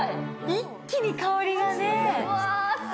一気に香りがね。